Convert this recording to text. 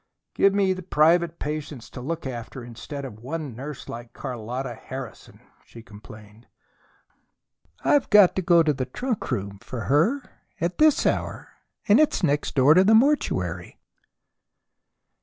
"Give me twelve private patients to look after instead of one nurse like Carlotta Harrison!" she complained. "I've got to go to the trunk room for her at this hour, and it next door to the mortuary!"